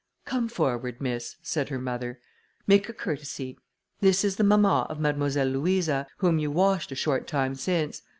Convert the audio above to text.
"Come forward, miss," said her mother. "Make a courtesy; this is the mamma of Mademoiselle Louisa, whom you washed a short time since.